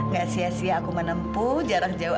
gak sia sia aku menempuh jarak jauh